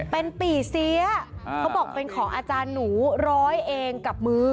เป็นปี่เสียเขาบอกเป็นของอาจารย์หนูร้อยเองกับมือ